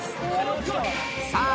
さあ